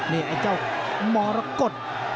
นี่ไอ้เจ้ามรกฏ